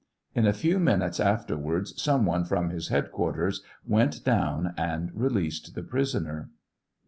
In a few minutes afterwards some one from his headquarters went down and released the prisoner.